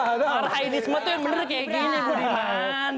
marhainisme tuh yang bener kayak gini budiman